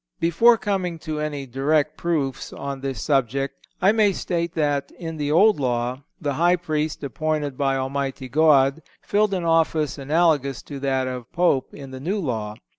Before coming to any direct proofs on this subject I may state that, in the Old Law, the High Priest appointed by Almighty God filled an office analogous to that of Pope in the New Law.